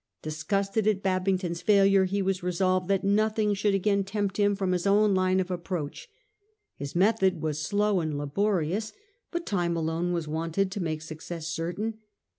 Dis gusted at Babington's failure, he was resolved that nothing should again tempt him from his own line of approach. His method was slow and laborious, but time alone was wanted to make success certain.